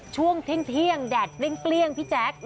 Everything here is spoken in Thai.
ช่วงเที่ยงแดดเปรี้ยงพี่แจ๊ค